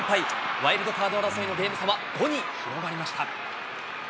ワイルドカード争いのゲーム差は５に広がりました。